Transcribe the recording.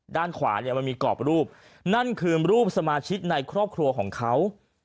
ด้านขวามีกรอบรูปนั่นคือสมาชิกในครอบครัวของเขา